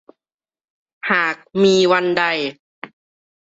หากมีวันใด